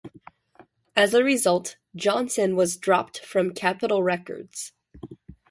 As a result, Johnson was dropped from Capitol Records.